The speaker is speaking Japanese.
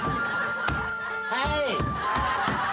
はい！